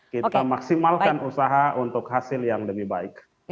kita maksimalkan usaha untuk hasil yang lebih baik